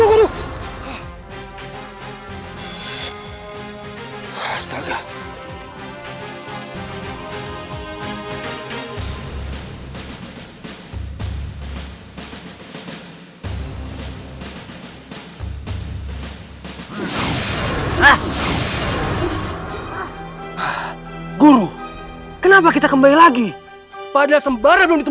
hai guru kenapa kita kembali lagi padahal sembarang temukan siasir kita menjadi freemkang mata liver yang much republicans